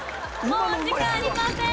もうお時間ありません。